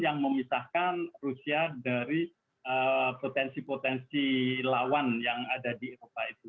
yang memisahkan rusia dari potensi potensi lawan yang ada di eropa itu